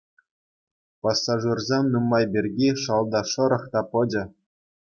Пассажирсем нумай пирки шалта шӑрӑх та пӑчӑ.